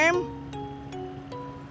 harimau makan areas oktogren lingus